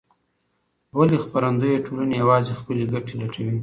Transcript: ولې خپرندویه ټولنې یوازې خپلې ګټې لټوي؟